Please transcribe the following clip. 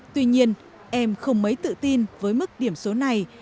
tuy nhiên em không mấy tự tin với mức điểm số này